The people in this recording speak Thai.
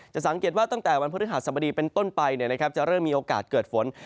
สังเกตว่าตั้งแต่วันพฤหัสบดีเป็นต้นไปจะเริ่มมีโอกาสเกิดฝน